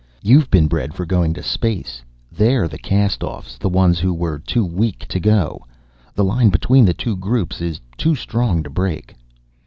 You've been bred for going to space; they're the castoffs, the ones who were too weak to go. The line between the two groups is too strong to break."